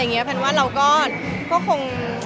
แพนว่าเราก็คง